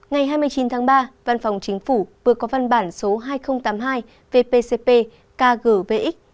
ngày hai mươi chín tháng ba văn phòng chính phủ vừa có văn bản số hai nghìn tám mươi hai vpcp kgvx